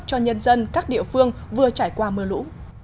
cho nhân dân các địa phương vừa trải qua mưa lũ